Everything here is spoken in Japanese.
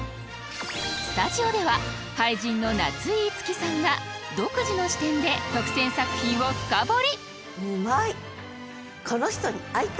スタジオでは俳人の夏井いつきさんが独自の視点で特選作品を深掘り！